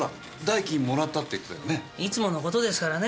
いつものことですからね。